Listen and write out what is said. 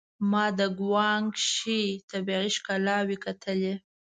ما د ګوانګ شي طبيعي ښکلاوې کتلې وې.